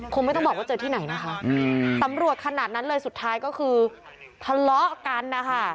คงไม่ต้องบอกว่าเจอที่ไหนนะคะตำรวจขนาดนั้นเลยสุดท้ายก็คือทะเลาะกันนะคะ